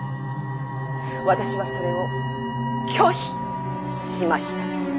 私はそれを拒否しました。